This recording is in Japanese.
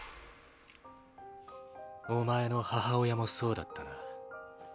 お前の母親もそうだったな。